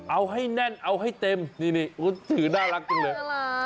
เอาให้แน่นเอาให้เต็มนี่ถือน่ารักจังเลย